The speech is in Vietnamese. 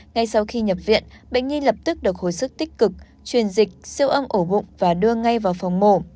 ngay sau khi nhập viện bệnh nghi lập tức được hồi sức tích cực truyền dịch siêu âm ổ bụng và đưa ngay vào phòng mổ